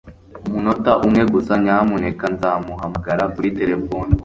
Umunota umwe gusa, nyamuneka. Nzamuhamagara kuri terefone.